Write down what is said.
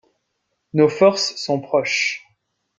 Nos forces sont proches.